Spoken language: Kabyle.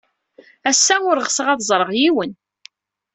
Ass-a, ur ɣseɣ ad ẓreɣ yiwen.